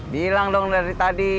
bilang dong dari tadi